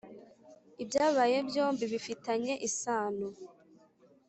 ibyabaye byombi bifitanye isano.